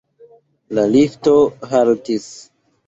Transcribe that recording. La lifto haltis.